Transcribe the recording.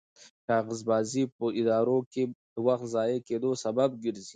کاغذبازي په ادارو کې د وخت د ضایع کېدو سبب ګرځي.